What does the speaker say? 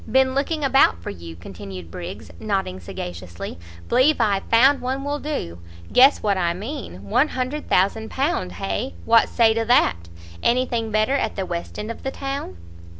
"Been looking about for you!" continued Briggs, nodding sagaciously; "believe I've found one will do. Guess what I mean; £100,0000 hay? what say to that? any thing better at the west end of the town?"